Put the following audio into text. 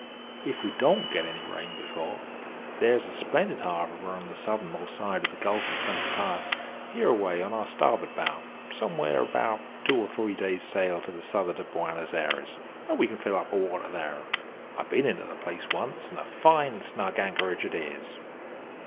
If we don't get any rain before, there's a splendid harbour on the southernmost side of the Gulf of Saint Matias, hereaway on our starboard bow, somewheres about two or three days' sail to the south'ard of Buenos Ayres, and we can fill up our water there. I've been into the place once, and a fine snug anchorage it is."